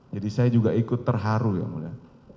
jadi saya juga ikut terharu yang mulia